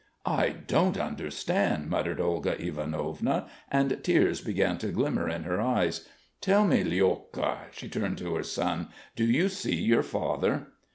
"I don't understand," muttered Olga Ivanovna, and tears began to glimmer in her eyes. "Tell me, Lyolka," she turned to her son, "Do you see your father?"